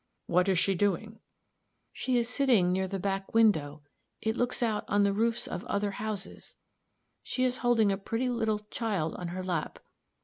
"What is she doing?" "She is sitting near the back window; it looks out on the roofs of other houses; she is holding a pretty little child on her lap."